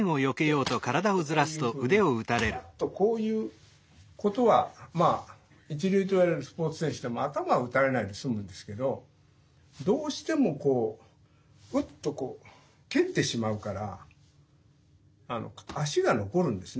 おっとこういうふうにバッとこういうことはまあ一流といわれるスポーツ選手って頭を打たれないで済むんですけどどうしてもこうウッと蹴ってしまうから足が残るんですね。